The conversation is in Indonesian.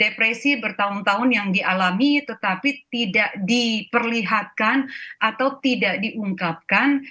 depresi bertahun tahun yang dialami tetapi tidak diperlihatkan atau tidak diungkapkan